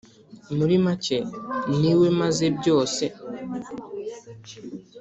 muri make: «Ni we maze byose».